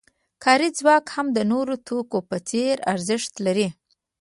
کاري ځواک هم د نورو توکو په څېر ارزښت لري